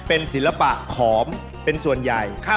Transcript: เป็นศิลปะขอมเป็นส่วนใหญ่